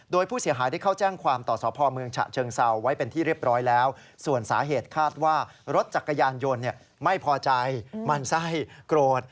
โดยผู้เสียหายได้เข้าแจ้งความต่อสพเมืองฉะเชิงเซาไว้เป็นที่เรียบร้อยแล้วส่วนสาเหตุคาดว่ารถจักรยานยนต์ไม่พอใจมั่นไส้โกรธ